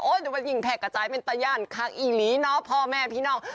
โอ้ยวันหญิงแพกกระจายเป็นตาย่านคางอีหลีเนาะพ่อแม่พี่นอก